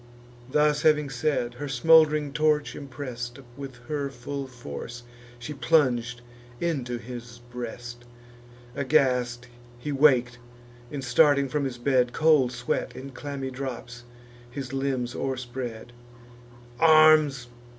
Thus having said, her smould'ring torch, impress'd With her full force, she plung'd into his breast. Aghast he wak'd; and, starting from his bed, Cold sweat, in clammy drops, his limbs o'erspread. "Arms!